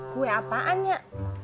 kue apaan nyak